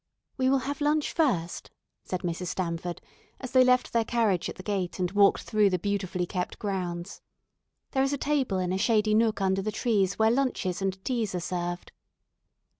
"We will have lunch first," said Mrs. Stamford, as they left their carriage at the gate and walked through the beautifully kept grounds. "There is a table in a shady nook under the trees where lunches and teas are served."